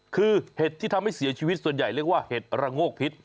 คือเห็ดที่ทำให้เสียชีวิตส่วนใหญ่เรียกว่าเห็ดระโงกพิษ